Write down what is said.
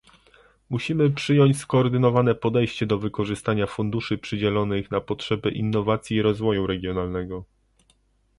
Musimy przyjąć skoordynowane podejście do wykorzystania funduszy przydzielonych na potrzeby innowacji i rozwoju regionalnego